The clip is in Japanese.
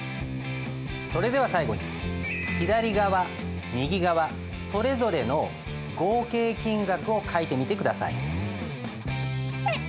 それでは最後に左側右側それぞれの合計金額を書いてみて下さい。